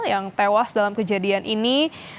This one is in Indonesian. yang tewas dalam kejadian ini